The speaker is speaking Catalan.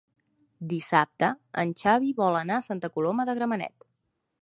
Dissabte en Xavi vol anar a Santa Coloma de Gramenet.